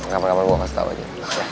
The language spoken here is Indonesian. gak apa gak apa gue kasih tau aja